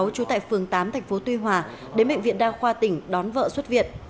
trú tại phường tám tp tuy hòa đến bệnh viện đa khoa tỉnh đón vợ xuất viện